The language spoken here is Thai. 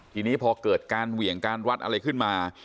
ทีนี้พอเกิดการเหวี่ยงการวัดอะไรขึ้นมา